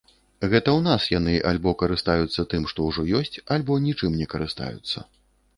Гэта ў нас яны альбо карыстаюцца тым, што ўжо ёсць, альбо нічым не карыстаюцца.